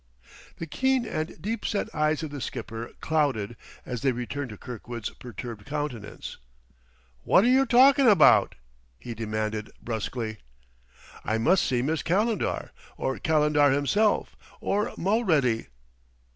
The keen and deep set eyes of the skipper clouded as they returned to Kirkwood's perturbed countenance. "Wot're you talking about?" he demanded brusquely. "I must see Miss Calendar, or Calendar himself, or Mulready."